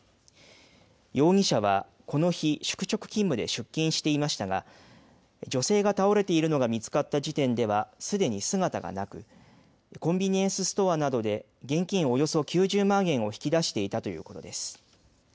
容疑者は、この日、宿直勤務で出勤していましたが女性が倒れているのが見つかった時点ではすでに姿がなくコンビニエンスストアなどで現金およそ９０万円を引き出していたということです。